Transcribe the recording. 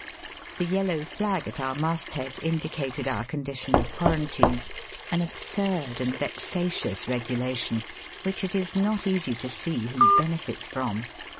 The yellow flag at our mast head indicated our condition of quarantine, an absurd and vexa tious regulation which it is not easy to see who benefits from.